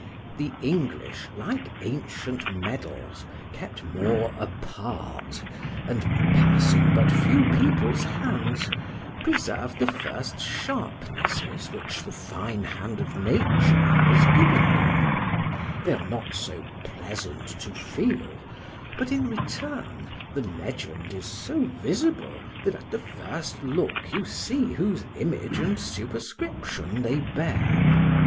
The English, like ancient medals, kept more apart, and passing but few people's hands, preserve the first sharpnesses which the fine hand of Nature has given them;—they are not so pleasant to feel,—but in return the legend is so visible, that at the first look you see whose image and superscription they bear.